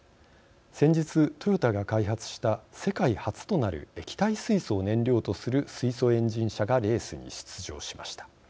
先日、トヨタが開発した世界初となる液体水素を燃料とする水素エンジン車がレースに出場しました。